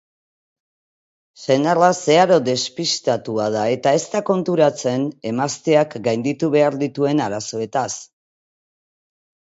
Senarra zeharo despistatua da eta ez da konturatzen emazteak gainditu behar dituen arazoetaz.